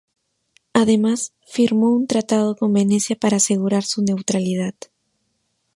Además, firmó un tratado con Venecia para asegurar su neutralidad.